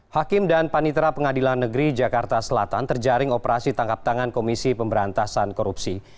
hakim dan panitera pengadilan negeri jakarta selatan terjaring operasi tangkap tangan komisi pemberantasan korupsi